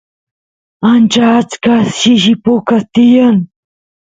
ancha achka shishi pukas tiyan